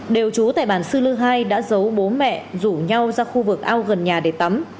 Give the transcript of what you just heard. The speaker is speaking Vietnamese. đều trú tại bản sư lư hai đã giấu bố mẹ rủ nhau ra khu vực ao gần nhà để tắm